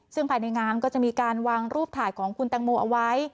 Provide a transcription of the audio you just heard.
ซึ่งภายในงานก็จะมีการวางรูปถ่ายของคุณตังโมเอาไว้